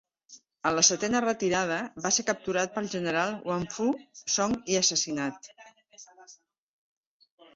A la setena retirada, va ser capturat pel general Huangfu Song i assassinat.